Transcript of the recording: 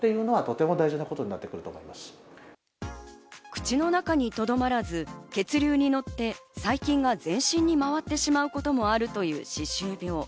口の中にとどまらず血流に乗って、細菌が全身に回ってしまうこともあるという歯周病。